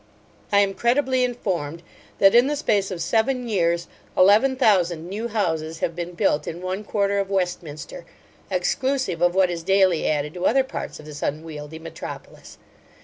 I am credibly informed, that in the space of seven years, eleven thousand new houses have been built in one quarter of Westminster, exclusive of what is daily added to other parts of this unwieldy metropolis.